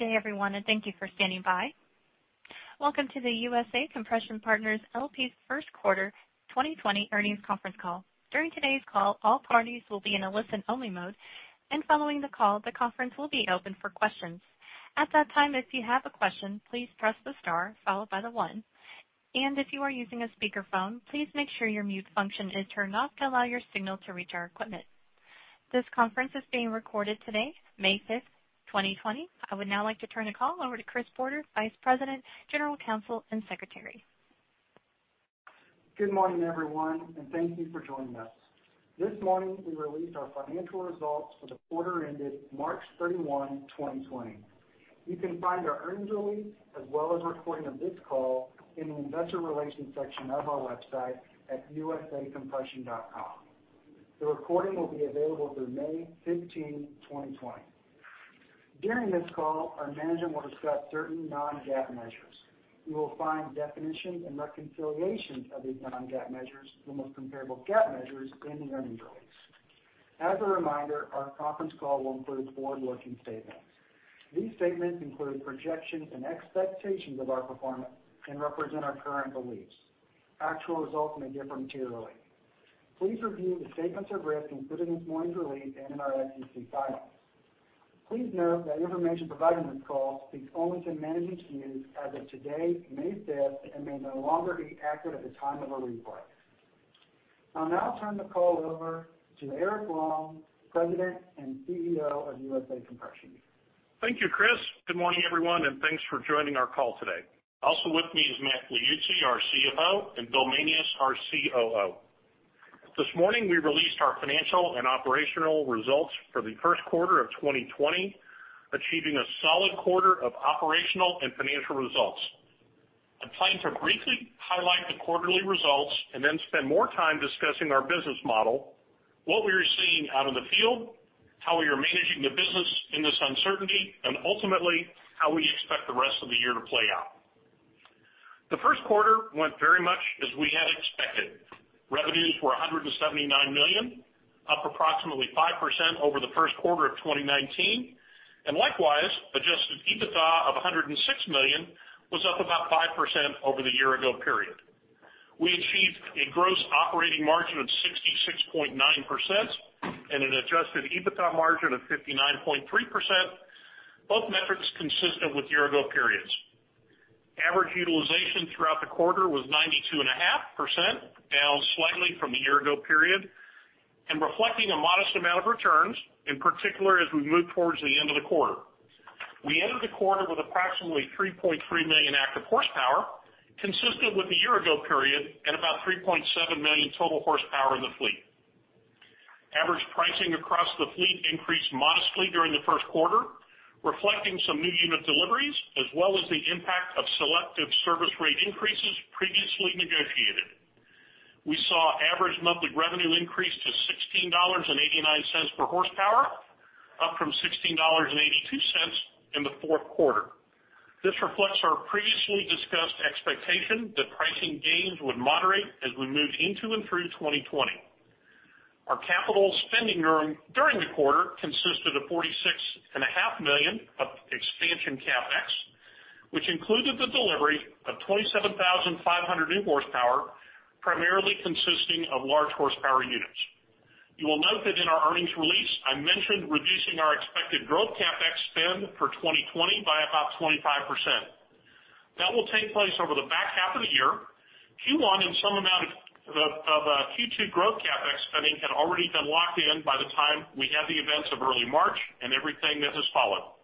Good day, everyone, and thank you for standing by. Welcome to the USA Compression Partners, LP's First Quarter 2020 Earnings Conference Call. During today's call, all parties will be in a listen-only mode, and following the call, the conference will be open for questions. At that time, if you have a question, please press the star followed by the one, and if you are using a speakerphone, please make sure your mute function is turned off to allow your signal to reach our equipment. This conference is being recorded today, May 5th, 2020. I would now like to turn the call over to Chris Porter, Vice President, General Counsel, and Secretary. Good morning, everyone, and thank you for joining us. This morning, we released our financial results for the quarter ended March 31, 2020. You can find our earnings release, as well as a recording of this call, in the investor relations section of our website at usacompression.com. The recording will be available through May 15, 2020. During this call, our management will discuss certain non-GAAP measures. You will find definitions and reconciliations of these non-GAAP measures to the most comparable GAAP measures in the earnings release. As a reminder, our conference call will include forward-looking statements. These statements include projections and expectations of our performance and represent our current beliefs. Actual results may differ materially. Please review the statements of risk included in this morning's release and in our SEC filings. Please note that information provided in this call speaks only to management's views as of today, May 5th, and may no longer be accurate at the time of a replay. I'll now turn the call over to Eric Long, President and CEO of USA Compression. Thank you, Chris. Good morning, everyone, thanks for joining our call today. Also with me is Matt Liuzzi, our CFO, and Bill Manias, our COO. This morning, we released our financial and operational results for the first quarter of 2020, achieving a solid quarter of operational and financial results. I plan to briefly highlight the quarterly results and then spend more time discussing our business model, what we are seeing out in the field, how we are managing the business in this uncertainty, and ultimately, how we expect the rest of the year to play out. The first quarter went very much as we had expected. Revenues were $179 million, up approximately 5% over the first quarter of 2019, and likewise, adjusted EBITDA of $106 million was up about 5% over the year-ago period. We achieved a gross operating margin of 66.9% and an adjusted EBITDA margin of 59.3%, both metrics consistent with year-ago periods. Average utilization throughout the quarter was 92.5%, down slightly from the year-ago period and reflecting a modest amount of returns, in particular as we moved towards the end of the quarter. We ended the quarter with approximately 3.3 million active horsepower, consistent with the year-ago period and about 3.7 million total horsepower in the fleet. Average pricing across the fleet increased modestly during the first quarter, reflecting some new unit deliveries as well as the impact of selective service rate increases previously negotiated. We saw average monthly revenue increase to $16.89 per horsepower, up from $16.82 in the fourth quarter. This reflects our previously discussed expectation that pricing gains would moderate as we move into and through 2020. Our capital spending during the quarter consisted of $46.5 million of expansion CapEx, which included the delivery of 27,500 new horsepower, primarily consisting of large horsepower units. You will note that in our earnings release, I mentioned reducing our expected growth CapEx spend for 2020 by about 25%. That will take place over the back half of the year. Q1 and some amount of Q2 growth CapEx spending had already been locked in by the time we had the events of early March and everything that has followed.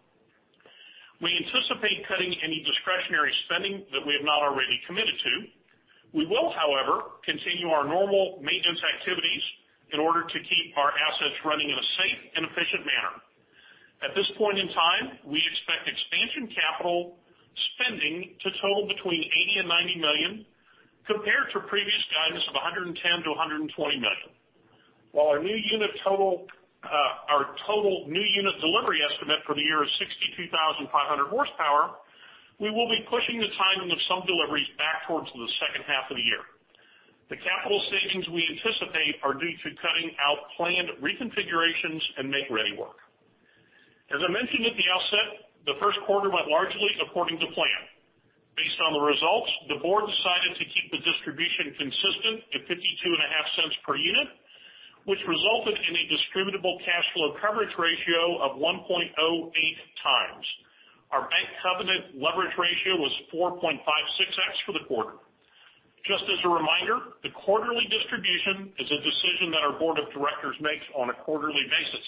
We anticipate cutting any discretionary spending that we have not already committed to. We will, however, continue our normal maintenance activities in order to keep our assets running in a safe and efficient manner. At this point in time, we expect expansion capital spending to total between $80 million and $90 million, compared to previous guidance of $110 million-$120 million. While our total new unit delivery estimate for the year is 62,500 horsepower, we will be pushing the timing of some deliveries back towards the second half of the year. The capital savings we anticipate are due to cutting out planned reconfigurations and make-ready work. As I mentioned at the outset, the first quarter went largely according to plan. Based on the results, the board decided to keep the distribution consistent at $0.525 per unit, which resulted in a distributable cash flow coverage ratio of 1.08x. Our bank covenant leverage ratio was 4.56x for the quarter. Just as a reminder, the quarterly distribution is a decision that our board of directors makes on a quarterly basis.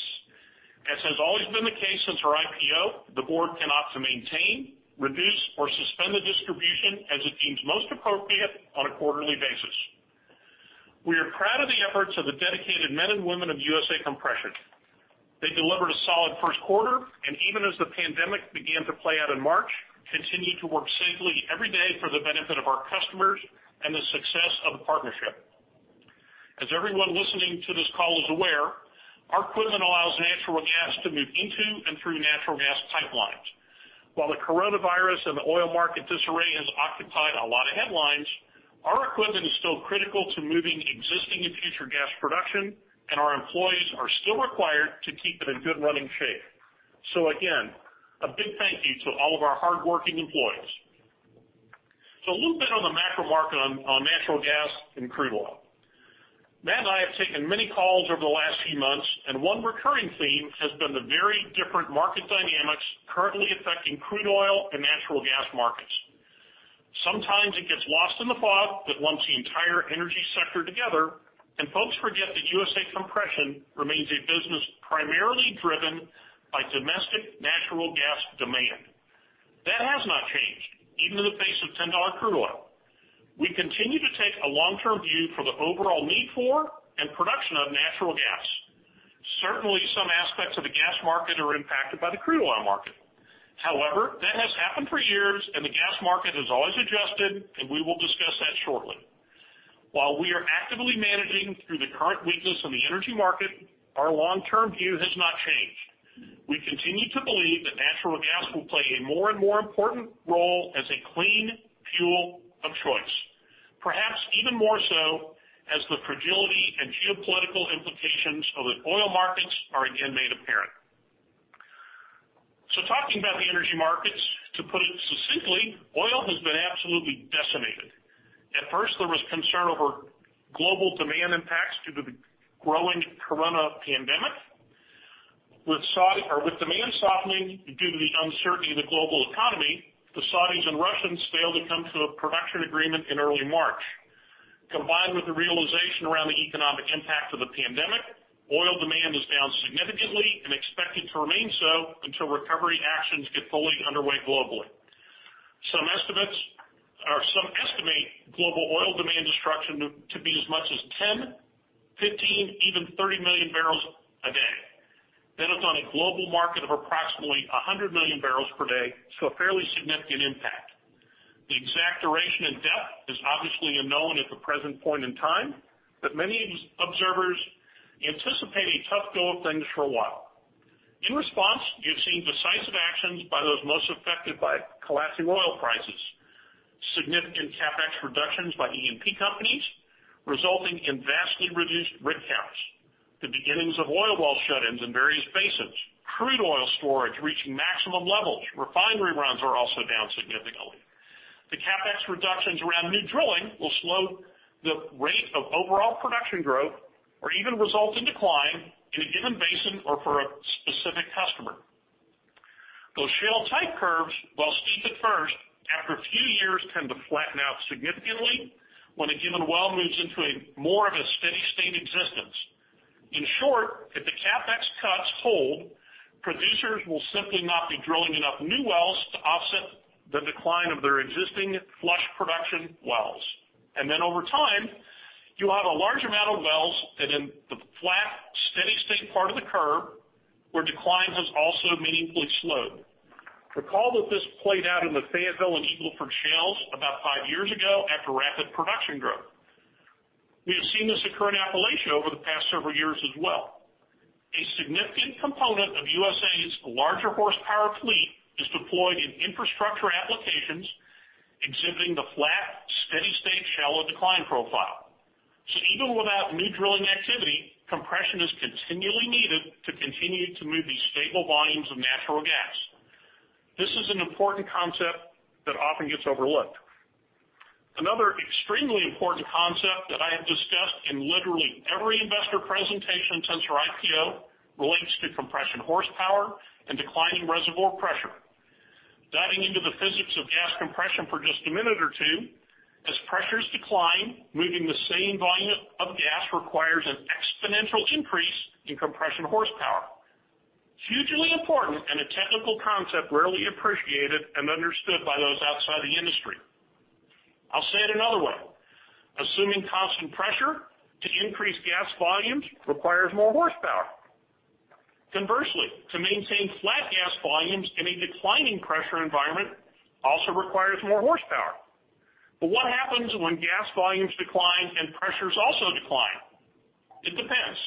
As has always been the case since our IPO, the board can opt to maintain, reduce, or suspend the distribution as it deems most appropriate on a quarterly basis. We are proud of the efforts of the dedicated men and women of USA Compression. They delivered a solid first quarter, and even as the pandemic began to play out in March, continued to work safely every day for the benefit of our customers and the success of the partnership. As everyone listening to this call is aware, our equipment allows natural gas to move into and through natural gas pipelines. While the coronavirus and the oil market disarray has occupied a lot of headlines. Our equipment is still critical to moving existing and future gas production, and our employees are still required to keep it in good running shape. Again, a big thank you to all of our hardworking employees. A little bit on the macro market on natural gas and crude oil. Matt and I have taken many calls over the last few months, and one recurring theme has been the very different market dynamics currently affecting crude oil and natural gas markets. Sometimes it gets lost in the fog that lumps the entire energy sector together, and folks forget that USA Compression remains a business primarily driven by domestic natural gas demand. That has not changed, even in the face of $10 crude oil. We continue to take a long-term view for the overall need for and production of natural gas. Certainly, some aspects of the gas market are impacted by the crude oil market. However, that has happened for years, and the gas market has always adjusted, and we will discuss that shortly. While we are actively managing through the current weakness in the energy market, our long-term view has not changed. We continue to believe that natural gas will play a more and more important role as a clean fuel of choice, perhaps even more so as the fragility and geopolitical implications of the oil markets are again made apparent. Talking about the energy markets, to put it succinctly, oil has been absolutely decimated. At first, there was concern over global demand impacts due to the growing corona pandemic. With demand softening due to the uncertainty in the global economy, the Saudis and Russians failed to come to a production agreement in early March. Combined with the realization around the economic impact of the pandemic, oil demand is down significantly and expected to remain so until recovery actions get fully underway globally. Some estimate global oil demand destruction to be as much as 10 million, 15 million, even 30 million barrels a day. That is on a global market of approximately 100 million barrels per day, a fairly significant impact. The exact duration and depth is obviously unknown at the present point in time, many observers anticipate a tough go of things for a while. In response, you've seen decisive actions by those most affected by collapsing oil prices. Significant CapEx reductions by E&P companies, resulting in vastly reduced rig counts. The beginnings of oil well shut-ins in various basins. Crude oil storage reaching maximum levels. Refinery runs are also down significantly. The CapEx reductions around new drilling will slow the rate of overall production growth or even result in decline in a given basin or for a specific customer. Those shale type curves, while steep at first, after a few years, tend to flatten out significantly when a given well moves into more of a steady state existence. In short, if the CapEx cuts hold, producers will simply not be drilling enough new wells to offset the decline of their existing flush production wells. Over time, you'll have a large amount of wells that are in the flat, steady state part of the curve, where decline has also meaningfully slowed. Recall that this played out in the Fayetteville and Eagle Ford shales about five years ago after rapid production growth. We have seen this occur in Appalachia over the past several years as well. A significant component of USA's larger horsepower fleet is deployed in infrastructure applications exhibiting the flat, steady state shale or decline profile. Even without new drilling activity, compression is continually needed to continue to move these stable volumes of natural gas. This is an important concept that often gets overlooked. Another extremely important concept that I have discussed in literally every investor presentation since our IPO relates to compression horsepower and declining reservoir pressure. Diving into the physics of gas compression for just a minute or two, as pressures decline, moving the same volume of gas requires an exponential increase in compression horsepower. Hugely important and a technical concept rarely appreciated and understood by those outside the industry. I'll say it another way. Assuming constant pressure to increase gas volumes requires more horsepower. Conversely, to maintain flat gas volumes in a declining pressure environment also requires more horsepower. What happens when gas volumes decline and pressures also decline? It depends.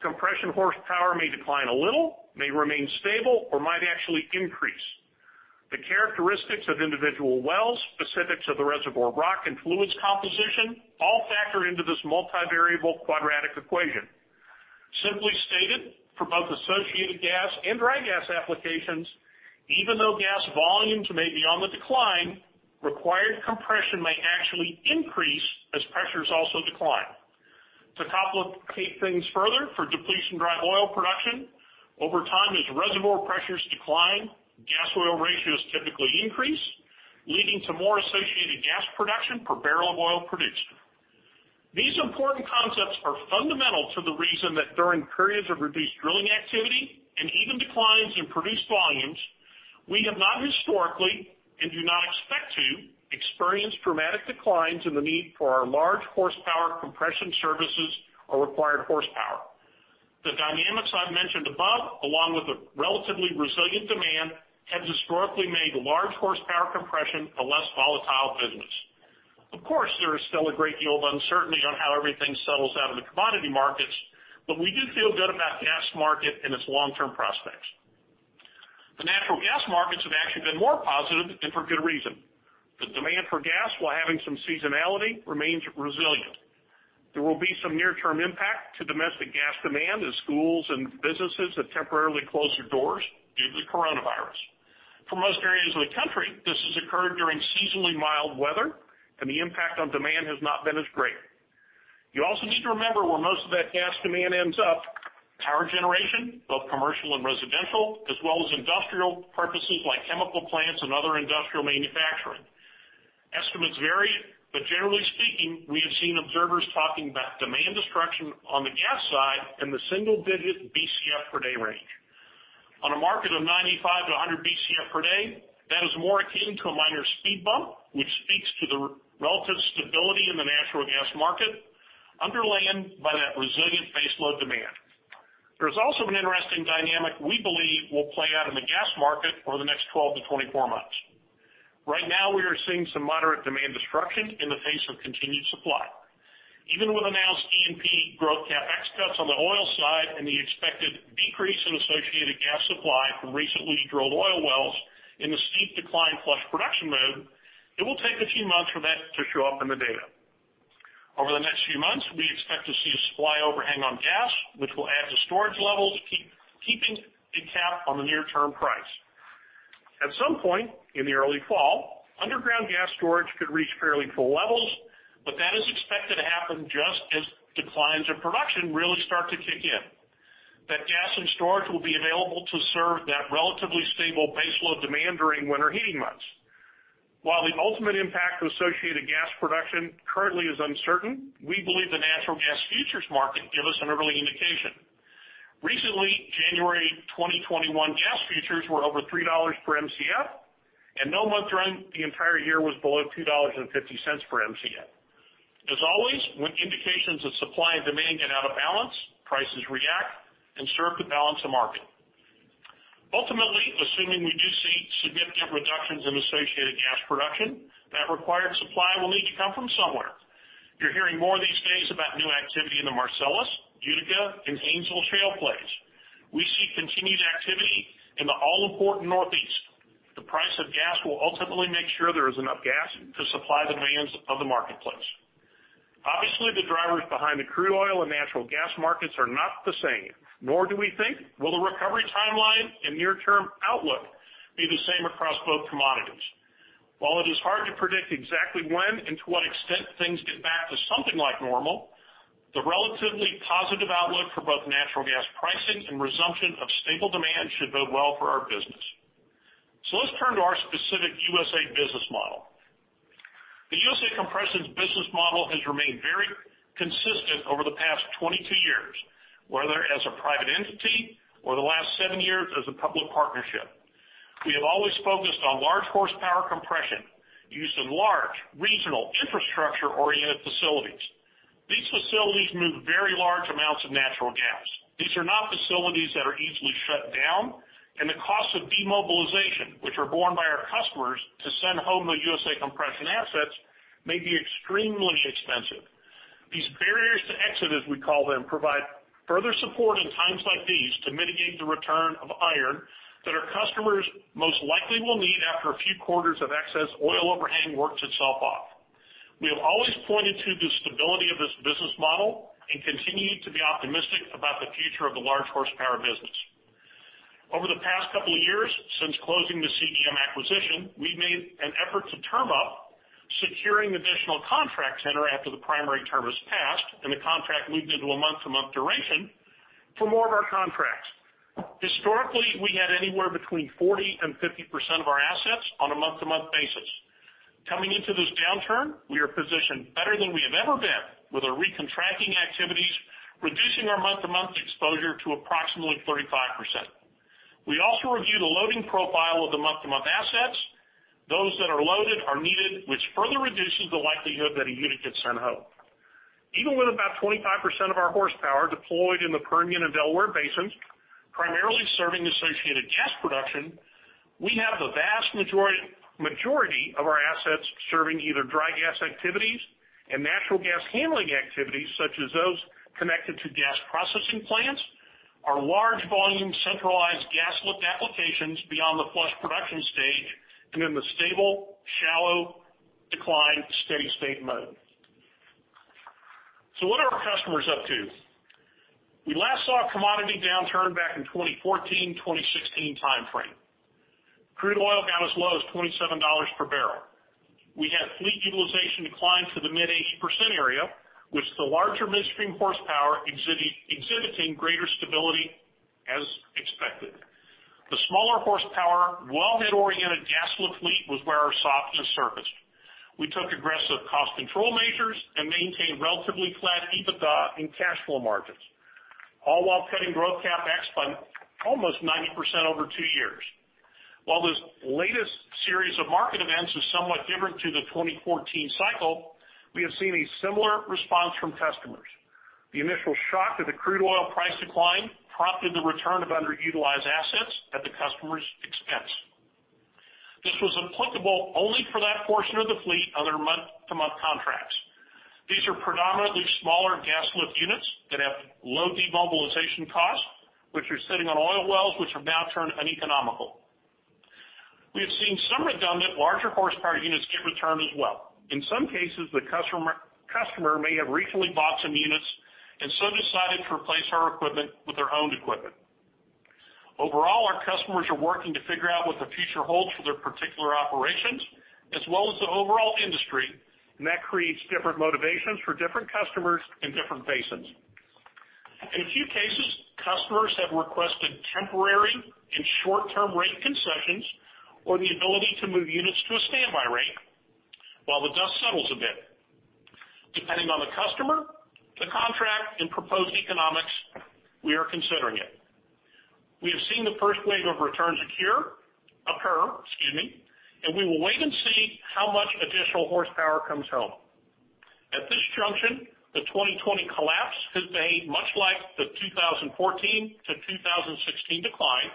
Compression horsepower may decline a little, may remain stable, or might actually increase. The characteristics of individual wells, specifics of the reservoir rock and fluids composition, all factor into this multivariable quadratic equation. Simply stated, for both associated gas and dry gas applications, even though gas volumes may be on the decline, required compression may actually increase as pressures also decline. To complicate things further, for depletion dry oil production, over time, as reservoir pressures decline, gas oil ratios typically increase, leading to more associated gas production per barrel of oil produced. These important concepts are fundamental to the reason that during periods of reduced drilling activity and even declines in produced volumes, we have not historically and do not expect to experience dramatic declines in the need for our large horsepower compression services or required horsepower. The dynamics I've mentioned above, along with a relatively resilient demand, have historically made large horsepower compression a less volatile business. Of course, there is still a great deal of uncertainty on how everything settles out in the commodity markets, but we do feel good about the gas market and its long-term prospects. The natural gas markets have actually been more positive, and for good reason. The demand for gas, while having some seasonality, remains resilient. There will be some near-term impact to domestic gas demand as schools and businesses have temporarily closed their doors due to the coronavirus. For most areas of the country, this has occurred during seasonally mild weather, and the impact on demand has not been as great. You also need to remember where most of that gas demand ends up. Power generation, both commercial and residential, as well as industrial purposes like chemical plants and other industrial manufacturing. Estimates vary, but generally speaking, we have seen observers talking about demand destruction on the gas side in the single-digit BCF per day range. On a market of 95-100 BCF per day, that is more akin to a minor speed bump, which speaks to the relative stability in the natural gas market, underlain by that resilient baseload demand. There's also an interesting dynamic we believe will play out in the gas market over the next 12-24 months. Right now, we are seeing some moderate demand destruction in the face of continued supply. Even with announced E&P growth CapEx cuts on the oil side and the expected decrease in associated gas supply from recently drilled oil wells in the steep decline plus production mode, it will take a few months for that to show up in the data. Over the next few months, we expect to see a supply overhang on gas, which will add to storage levels, keeping a cap on the near-term price. At some point in the early fall, underground gas storage could reach fairly full levels, but that is expected to happen just as declines in production really start to kick in. That gas in storage will be available to serve that relatively stable baseload demand during winter heating months. While the ultimate impact of associated gas production currently is uncertain, we believe the natural gas futures market give us an early indication. Recently, January 2021 gas futures were over $3 per Mcf, and no month around the entire year was below $2.50 per Mcf. As always, when indications of supply and demand get out of balance, prices react and serve to balance the market. Ultimately, assuming we do see significant reductions in associated gas production, that required supply will need to come from somewhere. You're hearing more these days about new activity in the Marcellus, Utica, and Haynesville shale plays. We see continued activity in the all-important Northeast. The price of gas will ultimately make sure there is enough gas to supply demands of the marketplace. Obviously, the drivers behind the crude oil and natural gas markets are not the same, nor do we think will the recovery timeline and near-term outlook be the same across both commodities. While it is hard to predict exactly when and to what extent things get back to something like normal, the relatively positive outlook for both natural gas pricing and resumption of stable demand should bode well for our business. Let's turn to our specific USA business model. The USA Compression's business model has remained very consistent over the past 22 years, whether as a private entity or the last seven years as a public partnership. We have always focused on large horsepower compression, used in large, regional, infrastructure-oriented facilities. These facilities move very large amounts of natural gas. These are not facilities that are easily shut down, and the cost of demobilization, which are borne by our customers to send home the USA Compression assets, may be extremely expensive. These barriers to exit, as we call them, provide further support in times like these to mitigate the return of iron that our customers most likely will need after a few quarters of excess oil overhang works itself off. We have always pointed to the stability of this business model and continue to be optimistic about the future of the large horsepower business. Over the past couple of years since closing the CDM acquisition, we've made an effort to term up securing additional contracts that are after the primary term is passed and the contract moved into a month-to-month duration for more of our contracts. Historically, we had anywhere between 40% and 50% of our assets on a month-to-month basis. Coming into this downturn, we are positioned better than we have ever been with our recontracting activities, reducing our month-to-month exposure to approximately 35%. We also reviewed the loading profile of the month-to-month assets. Those that are loaded are needed, which further reduces the likelihood that a unit gets sent home. Even with about 25% of our horsepower deployed in the Permian and Delaware Basins, primarily serving associated gas production, we have the vast majority of our assets serving either dry gas activities and natural gas handling activities, such as those connected to gas processing plants, our large volume centralized gas lift applications beyond the flush production stage and in the stable, shallow decline steady state mode. What are our customers up to? We last saw a commodity downturn back in 2014-2016 timeframe. Crude oil got as low as $27 per barrel. We had fleet utilization decline to the mid-80% area, with the larger midstream horsepower exhibiting greater stability, as expected. The smaller horsepower, wellhead-oriented gas lift fleet was where our softness surfaced. We took aggressive cost control measures and maintained relatively flat EBITDA and cash flow margins, all while cutting growth CapEx by almost 90% over two years. While this latest series of market events is somewhat different to the 2014 cycle, we have seen a similar response from customers. The initial shock to the crude oil price decline prompted the return of underutilized assets at the customer's expense. This was applicable only for that portion of the fleet under month-to-month contracts. These are predominantly smaller gas lift units that have low demobilization costs, which are sitting on oil wells, which have now turned uneconomical. We have seen some redundant larger horsepower units get returned as well. In some cases, the customer may have recently bought some units and so decided to replace our equipment with their owned equipment. Overall, our customers are working to figure out what the future holds for their particular operations as well as the overall industry, and that creates different motivations for different customers in different basins. In a few cases, customers have requested temporary and short-term rate concessions or the ability to move units to a standby rate while the dust settles a bit. Depending on the customer, the contract, and proposed economics, we are considering it. We have seen the first wave of returns occur, and we will wait and see how much additional horsepower comes home. At this junction, the 2020 collapse could behave much like the 2014-2016 decline,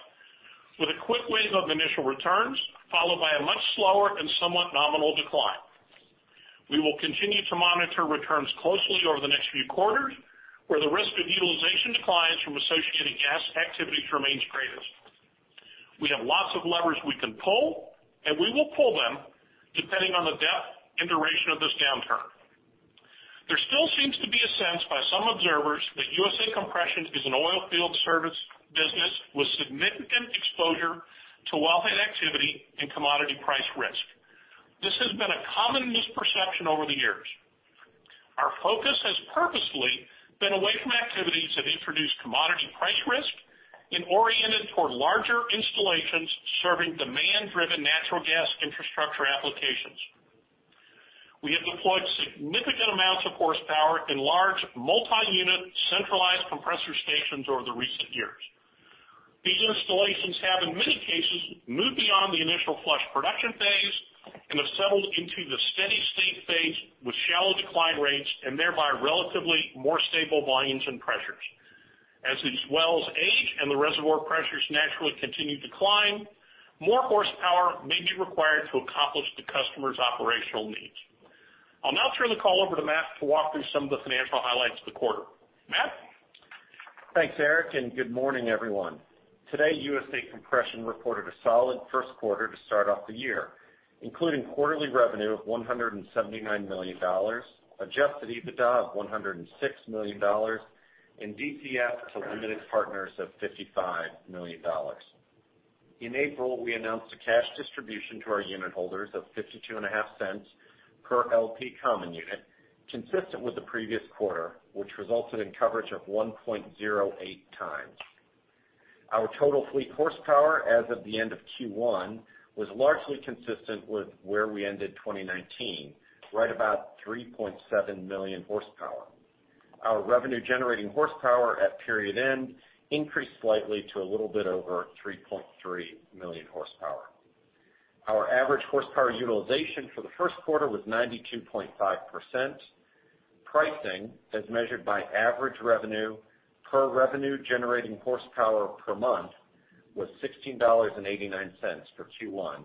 with a quick wave of initial returns followed by a much slower and somewhat nominal decline. We will continue to monitor returns closely over the next few quarters, where the risk of utilization declines from associated gas activities remains greatest. We have lots of levers we can pull, and we will pull them depending on the depth and duration of this downturn. There still seems to be a sense by some observers that USA Compression is an oilfield service business with significant exposure to wellhead activity and commodity price risk. This has been a common misperception over the years. Our focus has purposefully been away from activities that introduce commodity price risk and oriented toward larger installations serving demand-driven natural gas infrastructure applications. We have deployed significant amounts of horsepower in large, multi-unit, centralized compressor stations over the recent years. These installations have, in many cases, moved beyond the initial flush production phase and have settled into the steady-state phase with shallow decline rates and thereby relatively more stable volumes and pressures. As these wells age and the reservoir pressures naturally continue to decline, more horsepower may be required to accomplish the customer's operational needs. I'll now turn the call over to Matt to walk through some of the financial highlights of the quarter. Matt? Thanks, Eric, and good morning, everyone. Today, USA Compression reported a solid first quarter to start off the year, including quarterly revenue of $179 million, adjusted EBITDA of $106 million and DCF to limited partners of $55 million. In April, we announced a cash distribution to our unit holders of $0.525 per LP common unit, consistent with the previous quarter, which resulted in coverage of 1.08x. Our total fleet horsepower as of the end of Q1 was largely consistent with where we ended 2019, right about 3.7 million horsepower. Our revenue-generating horsepower at period end increased slightly to a little bit over 3.3 million horsepower. Our average horsepower utilization for the first quarter was 92.5%. Pricing, as measured by average revenue per revenue generating horsepower per month, was $16.89 for Q1,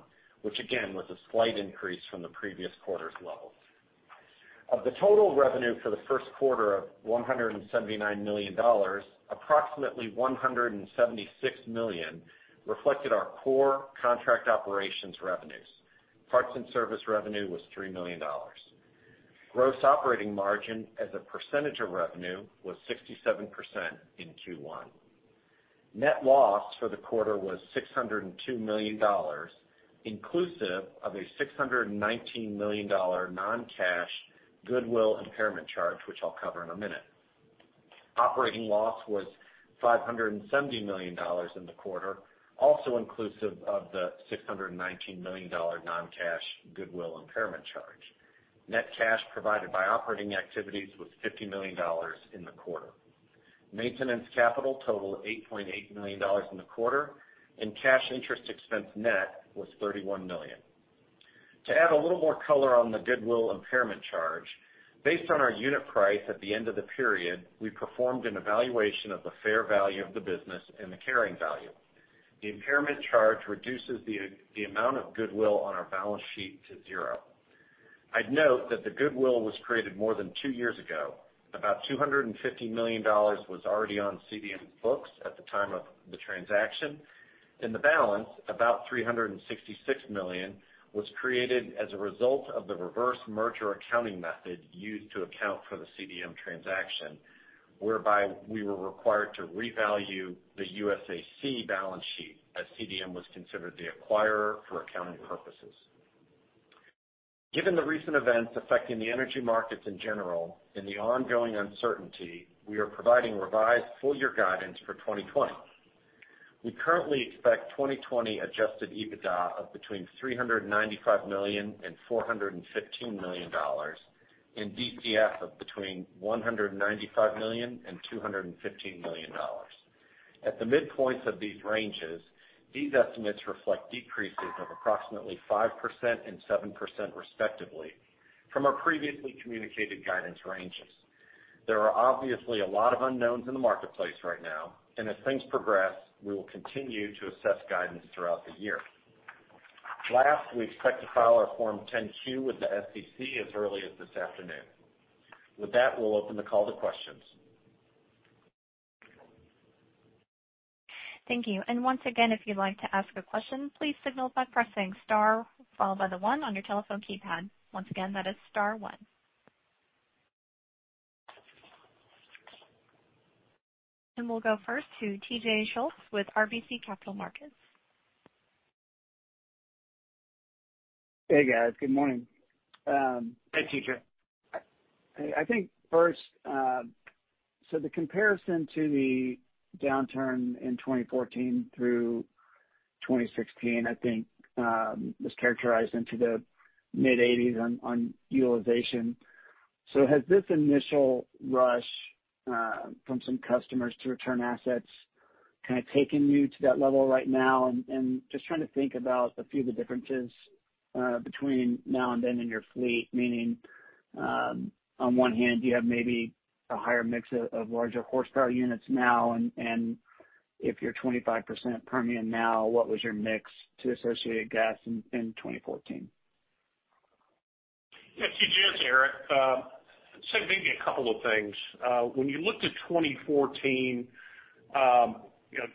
which again, was a slight increase from the previous quarter's levels. Of the total revenue for the first quarter of $179 million, approximately $176 million reflected our core contract operations revenues. Parts and service revenue was $3 million. Gross operating margin as a percentage of revenue was 67% in Q1. Net loss for the quarter was $602 million, inclusive of a $619 million non-cash goodwill impairment charge, which I'll cover in a minute. Operating loss was $570 million in the quarter, also inclusive of the $619 million non-cash goodwill impairment charge. Net cash provided by operating activities was $50 million in the quarter. Maintenance capital totaled $8.8 million in the quarter, and cash interest expense net was $31 million. To add a little more color on the goodwill impairment charge, based on our unit price at the end of the period, we performed an evaluation of the fair value of the business and the carrying value. The impairment charge reduces the amount of goodwill on our balance sheet to zero. I'd note that the goodwill was created more than two years ago. About $250 million was already on CDM's books at the time of the transaction, and the balance, about $366 million, was created as a result of the reverse merger accounting method used to account for the CDM transaction, whereby we were required to revalue the USAC balance sheet as CDM was considered the acquirer for accounting purposes. Given the recent events affecting the energy markets in general and the ongoing uncertainty, we are providing revised full-year guidance for 2020. We currently expect 2020 adjusted EBITDA of between $395 million and $415 million, and DCF of between $195 million and $215 million. At the midpoints of these ranges, these estimates reflect decreases of approximately 5% and 7% respectively from our previously communicated guidance ranges. There are obviously a lot of unknowns in the marketplace right now, and as things progress, we will continue to assess guidance throughout the year. Last, we expect to file our Form 10-Q with the SEC as early as this afternoon. With that, we'll open the call to questions. Thank you. Once again, if you'd like to ask a question, please signal by pressing star followed by the one on your telephone keypad. Once again, that is star one. We'll go first to TJ Schultz with RBC Capital Markets. Hey, guys. Good morning. Hey, TJ. I think first, the comparison to the downturn in 2014 through 2016, I think, was characterized into the mid-80%s on utilization. Has this initial rush from some customers to return assets kind of taken you to that level right now? Just trying to think about a few of the differences between now and then in your fleet, meaning, on one hand, do you have maybe a higher mix of larger horsepower units now? If you're 25% Permian now, what was your mix to associated gas in 2014? TJ, it's Eric. I'd say maybe a couple of things. When you look to 2014,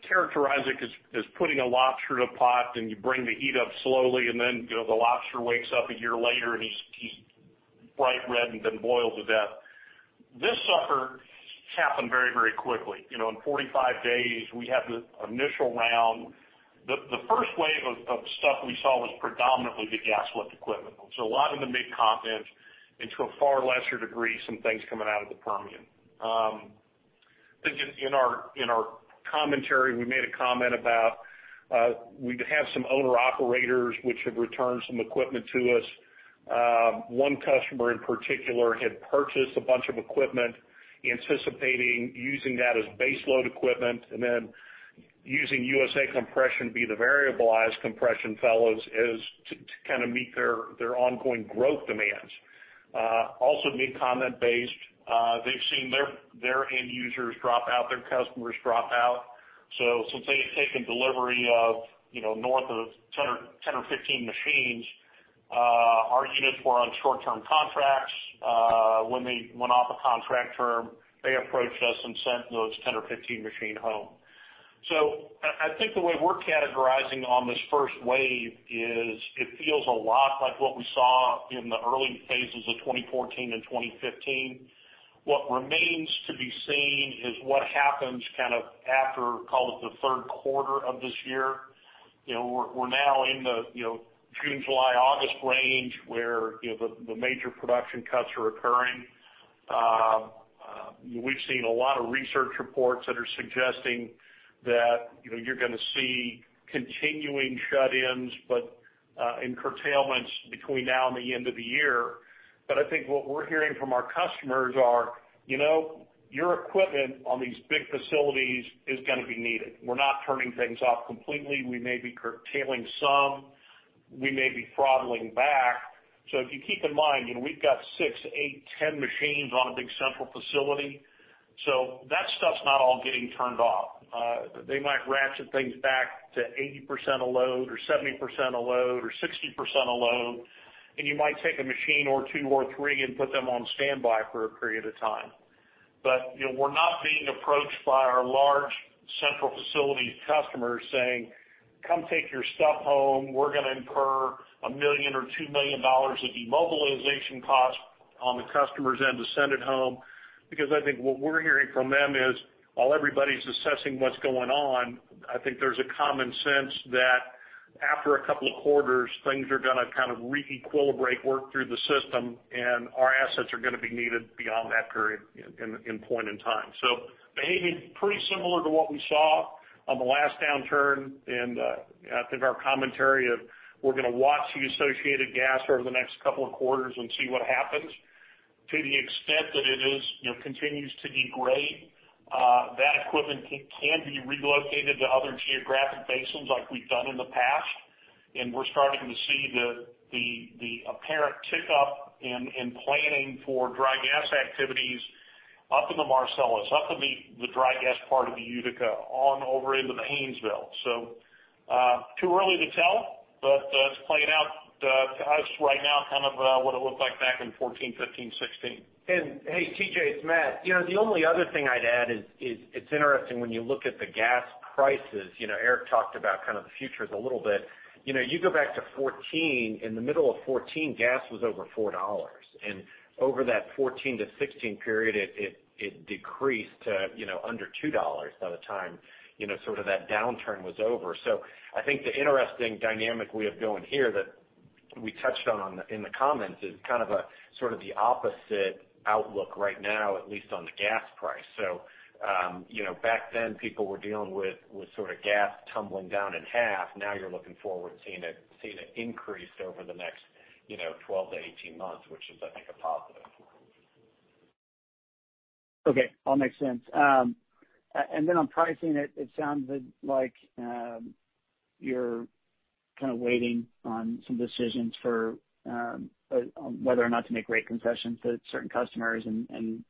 characterizing is putting a lobster in a pot, and you bring the heat up slowly, and then the lobster wakes up a year later, and he's bright red and then boils to death. This sucker happened very quickly. In 45 days, we had the initial round. The first wave of stuff we saw was predominantly the gas lift equipment. A lot of the Mid-Continent, and to a far lesser degree, some things coming out of the Permian. I think in our commentary, we made a comment about we have some owner-operators which have returned some equipment to us. One customer in particular had purchased a bunch of equipment anticipating using that as base load equipment, and then using USA Compression be the variable compression fellows to kind of meet their ongoing growth demands. Also Mid-Continent based. They've seen their end users drop out, their customers drop out. Since they had taken delivery of north of 10 or 15 machines, our units were on short-term contracts. When they went off a contract term, they approached us and sent those 10 or 15 machine home. I think the way we're categorizing on this first wave is it feels a lot like what we saw in the early phases of 2014 and 2015. What remains to be seen is what happens kind of after, call it the third quarter of this year. We're now in the June, July, August range, where the major production cuts are occurring. We've seen a lot of research reports that are suggesting that you're going to see continuing shut-ins, but in curtailments between now and the end of the year. I think what we're hearing from our customers are, "Your equipment on these big facilities is going to be needed. We're not turning things off completely. We may be curtailing some. We may be throttling back." If you keep in mind, we've got six, eight, 10 machines on a big central facility, so that stuff's not all getting turned off. They might ratchet things back to 80% of load or 70% of load or 60% of load, and you might take a machine or two or three and put them on standby for a period of time. We're not being approached by our large central facilities customers saying, "Come take your stuff home. We're going to incur $1 million or $2 million of demobilization costs on the customer's end to send it home. I think what we're hearing from them is while everybody's assessing what's going on, I think there's a common sense that after a couple of quarters, things are going to kind of re-equilibrate, work through the system, and our assets are going to be needed beyond that period in point in time. Behaving pretty similar to what we saw on the last downturn, and I think our commentary of we're going to watch the associated gas over the next couple of quarters and see what happens. To the extent that it continues to degrade, that equipment can be relocated to other geographic basins like we've done in the past, and we're starting to see the apparent tick up in planning for dry gas activities up in the Marcellus, up in the dry gas part of the Utica, on over into the Haynesville. Too early to tell, but it's playing out to us right now kind of what it looked like back in 2014, 2015, 2016. Hey, TJ, it's Matt. The only other thing I'd add is it's interesting when you look at the gas prices. Eric talked about kind of the futures a little bit. You go back to 2014, in the middle of 2014, gas was over $4. Over that 2014-2016 period, it decreased to under $2 by the time sort of that downturn was over. I think the interesting dynamic way of going here that we touched on in the comments is kind of a sort of the opposite outlook right now, at least on the gas price. Back then, people were dealing with sort of gas tumbling down in half. Now you're looking forward to seeing it increase over the next 12-18 months, which is, I think, a positive. Okay. All makes sense. On pricing, it sounds like you're kind of waiting on some decisions for whether or not to make rate concessions to certain customers and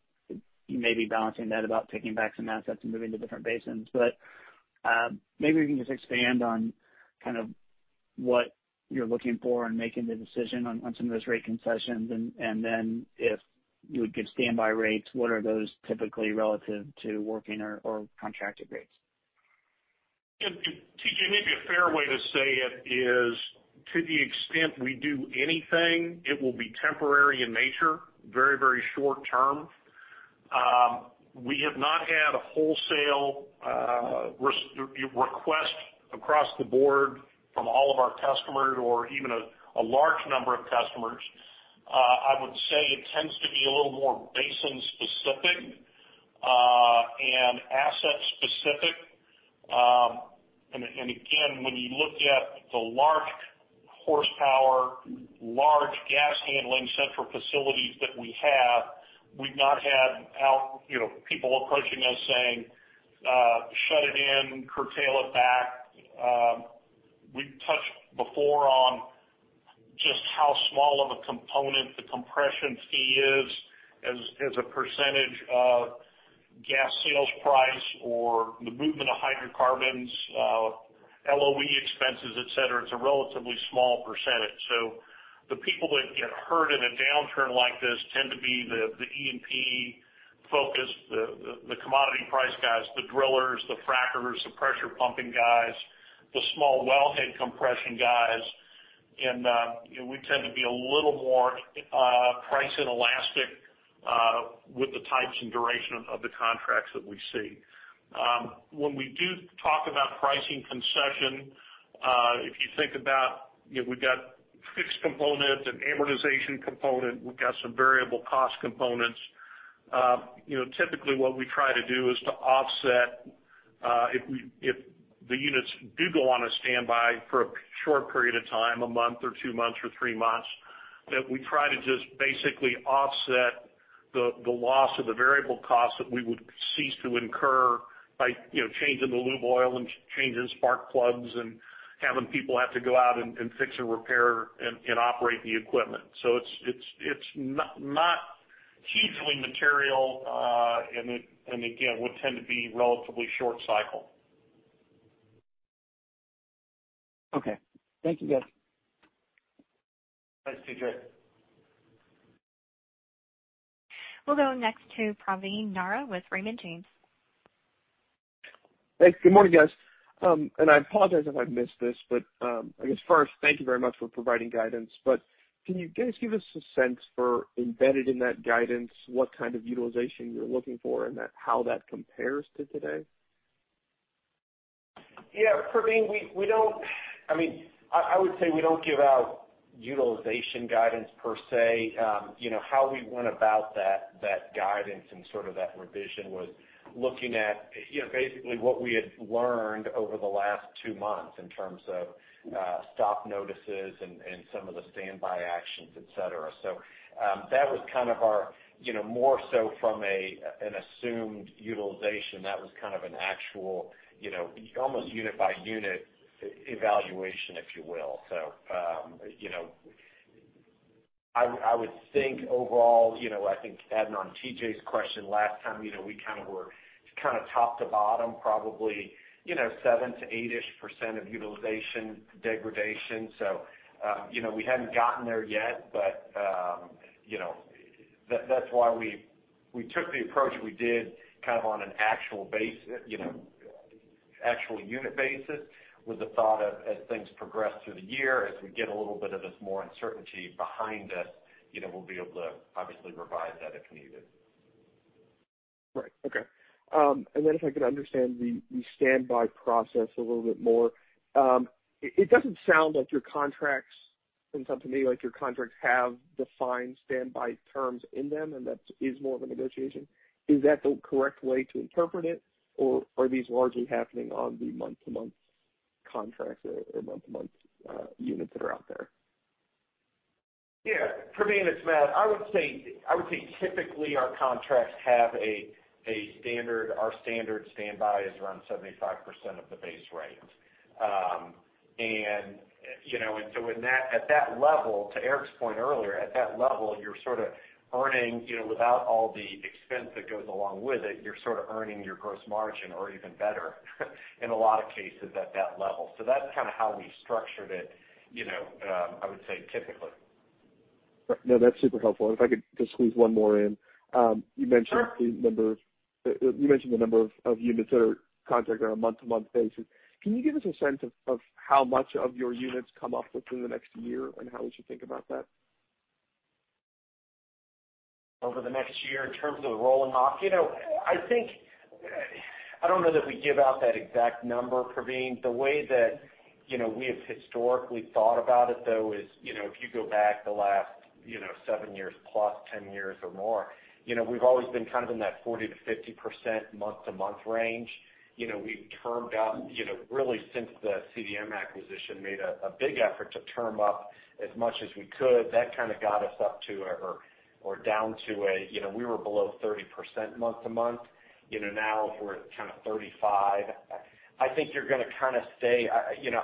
you may be balancing that about taking back some assets and moving to different basins. Maybe we can just expand on what you're looking for in making the decision on some of those rate concessions. If you would give standby rates, what are those typically relative to working or contracted rates? TJ, maybe a fair way to say it is to the extent we do anything, it will be temporary in nature, very short-term. We have not had a wholesale request across the board from all of our customers or even a large number of customers. I would say it tends to be a little more basin specific and asset specific. Again, when you look at the large horsepower, large gas handling central facilities that we have, we've not had people approaching us saying, "Shut it in, curtail it back." We've touched before on just how small of a component the compression fee is as a percentage of gas sales price or the movement of hydrocarbons, LOE expenses, et cetera. It's a relatively small percentage. The people that get hurt in a downturn like this tend to be the E&P focused, the commodity price guys, the drillers, the frackers, the pressure pumping guys, the small well head compression guys. We tend to be a little more price inelastic with the types and duration of the contracts that we see. When we do talk about pricing concession, if you think about we've got fixed component, an amortization component, we've got some variable cost components. Typically what we try to do is to offset if the units do go on a standby for a short period of time, a month or two months or three months, that we try to just basically offset the loss of the variable cost that we would cease to incur by changing the lube oil and changing spark plugs and having people have to go out and fix and repair and operate the equipment. It's not hugely material, and again, would tend to be relatively short cycle. Okay. Thank you, guys. Thanks, TJ. We'll go next to Praveen Narra with Raymond James. Thanks. Good morning, guys. I apologize if I missed this. I guess first, thank you very much for providing guidance. Can you guys give us a sense for embedded in that guidance, what kind of utilization you're looking for and how that compares to today? Yeah, Praveen, I would say we don't give out utilization guidance per se. How we went about that guidance and sort of that revision was looking at basically what we had learned over the last two months in terms of stop notices and some of the standby actions, et cetera. That was kind of our more so from an assumed utilization, that was kind of an actual almost unit by unit evaluation, if you will. I would think overall, I think adding on TJ's question last time, we kind of were top to bottom probably seven to eight-ish percent of utilization degradation. We hadn't gotten there yet, but that's why we took the approach we did kind of on an actual unit basis with the thought of as things progress through the year, as we get a little bit of this more uncertainty behind us, we'll be able to obviously revise that if needed. Right. Okay. If I can understand the standby process a little bit more. It sounds to me like your contracts have defined standby terms in them, and that is more of a negotiation. Is that the correct way to interpret it? Are these largely happening on the month-to-month contracts or month-to-month units that are out there? Yeah. Praveen, it's Matt. I would say typically our contracts have a standard. Our standard standby is around 75% of the base rate. At that level, to Eric's point earlier, at that level, you're sort of earning without all the expense that goes along with it, you're sort of earning your gross margin or even better in a lot of cases at that level. That's kind of how we structured it I would say typically. No, that's super helpful. If I could just squeeze one more in. You mentioned the number of units that are contracted on a month-to-month basis. Can you give us a sense of how much of your units come up within the next year and how we should think about that? Over the next year in terms of rolling off? I don't know that we give out that exact number, Praveen. The way that we have historically thought about it, though, is if you go back the last seven years plus, 10 years or more, we've always been kind of in that 40%-50% month-to-month range. We've termed up really since the CDM acquisition, made a big effort to term up as much as we could. That kind of got us up to or down to, we were below 30% month-to-month. Now we're at kind of 35%. I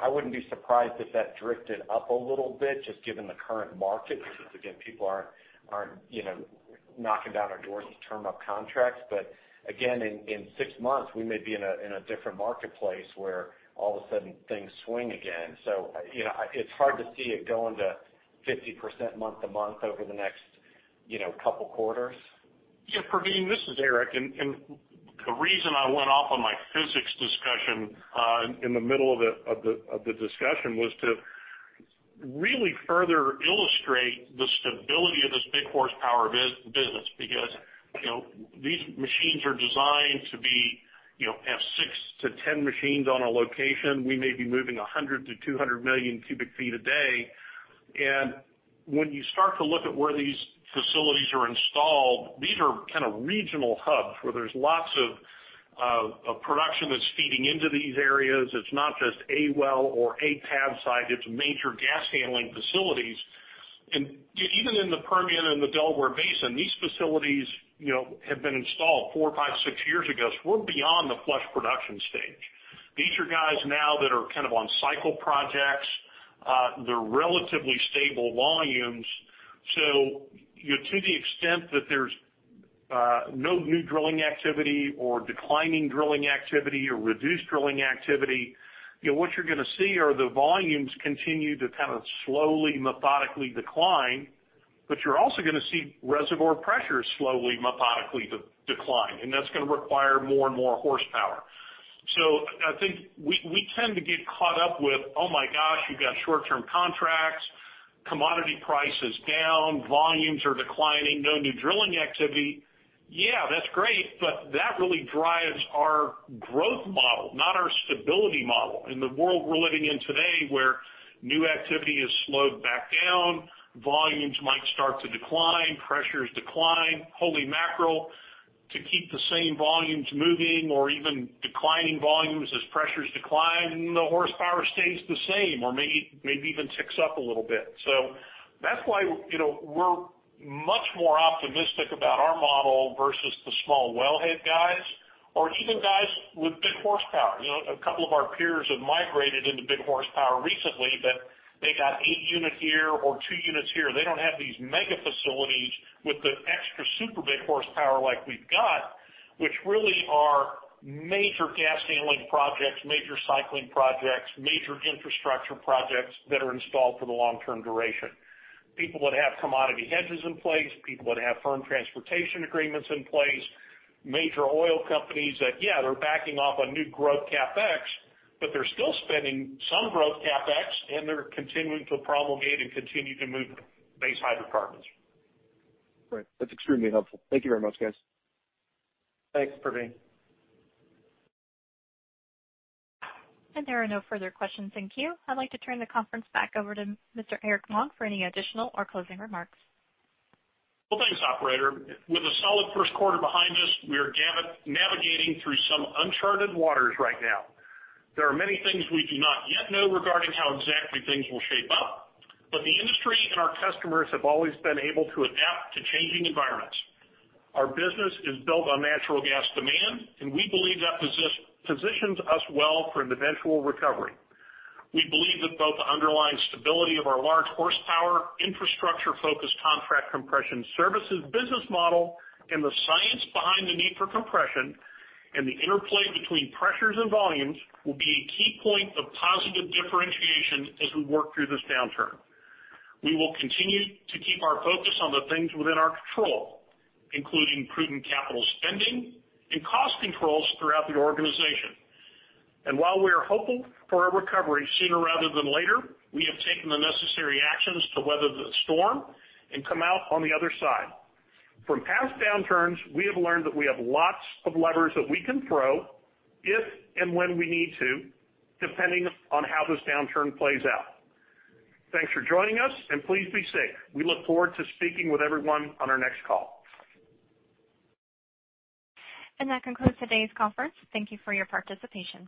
wouldn't be surprised if that drifted up a little bit, just given the current market, because again, people aren't knocking down our doors to term up contracts. Again, in six months, we may be in a different marketplace where all of a sudden things swing again. It's hard to see it going to 50% month-to-month over the next couple quarters. Praveen, this is Eric. The reason I went off on my physics discussion in the middle of the discussion was to really further illustrate the stability of this big horsepower business because these machines are designed to have 6-10 machines on a location. We may be moving 100-200 million cubic feet a day. When you start to look at where these facilities are installed, these are kind of regional hubs where there's lots of production that's feeding into these areas. It's not just a well or a pad site, it's major gas handling facilities. Even in the Permian and the Delaware Basin, these facilities have been installed four, five, six years ago. We're beyond the flush production stage. These are guys now that are kind of on cycle projects. They're relatively stable volumes. To the extent that there's no new drilling activity or declining drilling activity or reduced drilling activity, what you're going to see are the volumes continue to kind of slowly, methodically decline. You're also going to see reservoir pressures slowly, methodically decline, and that's going to require more and more horsepower. I think we tend to get caught up with, oh my gosh, you've got short-term contracts, commodity price is down, volumes are declining, no new drilling activity. Yeah, that's great, but that really drives our growth model, not our stability model. In the world we're living in today, where new activity has slowed back down, volumes might start to decline, pressures decline. Holy mackerel, to keep the same volumes moving or even declining volumes as pressures decline, the horsepower stays the same or maybe even ticks up a little bit. That's why we're much more optimistic about our model versus the small wellhead guys or even guys with big horsepower. A couple of our peers have migrated into big horsepower recently, but they got eight units here or two units here. They don't have these mega facilities with the extra super big horsepower like we've got, which really are major gas handling projects, major cycling projects, major infrastructure projects that are installed for the long-term duration. People that have commodity hedges in place, people that have firm transportation agreements in place, major oil companies that, yeah, they're backing off on new growth CapEx, but they're still spending some growth CapEx, and they're continuing to promulgate and continue to move base hydrocarbons. Right. That's extremely helpful. Thank you very much, guys. Thanks, Praveen. There are no further questions in queue. I'd like to turn the conference back over to Mr. Eric Long for any additional or closing remarks. Well, thanks, operator. With a solid first quarter behind us, we are navigating through some uncharted waters right now. There are many things we do not yet know regarding how exactly things will shape up, but the industry and our customers have always been able to adapt to changing environments. Our business is built on natural gas demand, and we believe that positions us well for an eventual recovery. We believe that both the underlying stability of our large horsepower infrastructure-focused contract compression services business model and the science behind the need for compression and the interplay between pressures and volumes will be a key point of positive differentiation as we work through this downturn. We will continue to keep our focus on the things within our control, including prudent capital spending and cost controls throughout the organization. While we are hopeful for a recovery sooner rather than later, we have taken the necessary actions to weather the storm and come out on the other side. From past downturns, we have learned that we have lots of levers that we can throw if and when we need to, depending on how this downturn plays out. Thanks for joining us, and please be safe. We look forward to speaking with everyone on our next call. That concludes today's conference. Thank you for your participation.